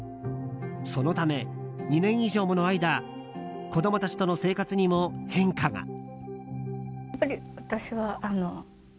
そのため、２年以上もの間子供たちとの生活にも変化が。